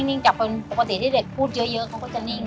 ก็นิ่งจากปกติที่เด็กพูดเยอะเขาก็จะนิ่ง